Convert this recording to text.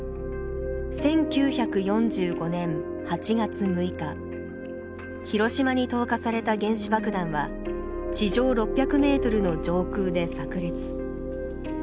１９４５年８月６日広島に投下された原子爆弾は地上６００ｍの上空でさくれつ。